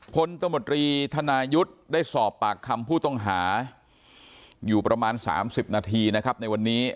ตมตรีธนายุทธ์ได้สอบปากคำผู้ต้องหาอยู่ประมาณ๓๐นาทีนะครับในวันนี้